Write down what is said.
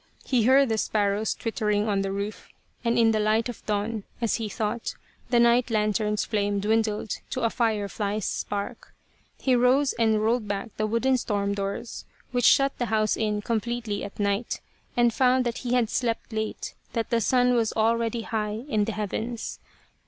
He heard the sparrows twittering on the roof, and in the light of dawn, as he thought, the night lantern's flame dwindled to a fire fly's spark. He rose and rolled back the wooden storm doors which shut the house in completely at night, and found that he had slept late, that the sun was already high in the heavens.